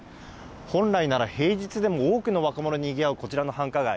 本来なら平日でも多くの若者でにぎわうこちらの繁華街。